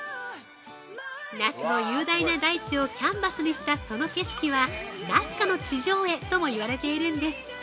那須の雄大な大地をキャンバスにしたその景色は「那須花の地上絵」とも言われているんです。